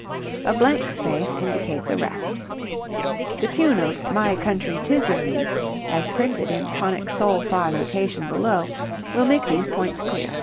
A blank space indicates a rest. The tune of My Country, 'Tis of Thee, as printed in tonic sol fa notation below will make these points clear.